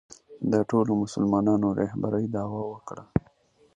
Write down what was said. د ټولو مسلمانانو رهبرۍ دعوا وکړه